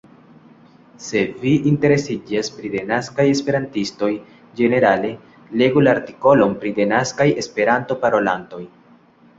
Se vi interesiĝas pri denaskaj Esperantistoj ĝenerale, legu la artikolon pri denaskaj Esperanto-parolantoj.